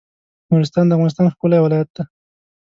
نورستان د افغانستان ښکلی ولایت دی